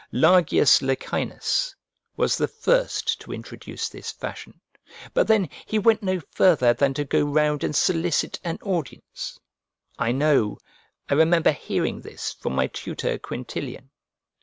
Largius Licinus was the first to introduce this fashion; but then he went no farther than to go round and solicit an audience. I know, I remember hearing this from my tutor Quinctilian.